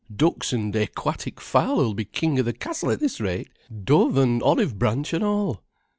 Ducks and ayquatic fowl 'll be king o' the castle at this rate—dove an' olive branch an' all.